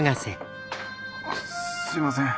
すいません。